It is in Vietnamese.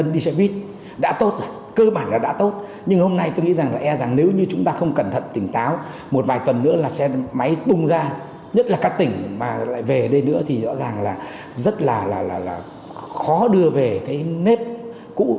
nhất là các tỉnh mà lại về đây nữa thì rõ ràng là rất là khó đưa về cái nết cũ